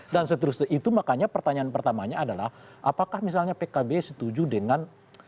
dan seterusnya itu makanya pertanyaan pertamanya adalah apakah misalnya pkb setuju dengan